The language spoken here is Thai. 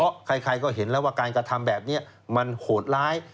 เพราะใครก็เห็นแล้วว่าการกระทำแบบนี้มันโหดร้าย